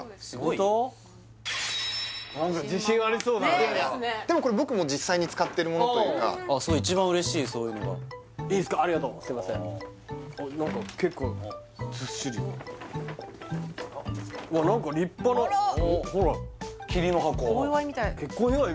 いやいやでもこれ僕も実際に使ってるものというか一番嬉しいそういうのがいいですかありがとうあっ何か結構ずっしりうわっ何か立派なほらあら